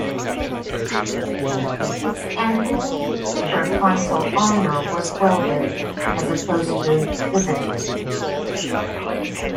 Its angled, thicker frontal armor was welded, as opposed to riveted.